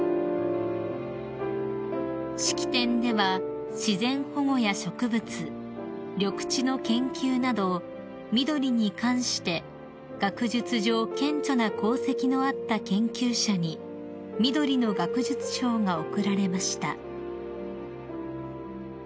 ［式典では自然保護や植物緑地の研究など「みどり」に関して学術上顕著な功績のあった研究者にみどりの学術賞が贈られました］